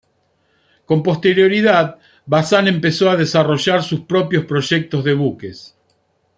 Con posterioridad, Bazán empezó a desarrollar sus propios proyectos de buques.